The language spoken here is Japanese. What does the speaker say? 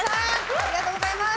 ありがとうございます。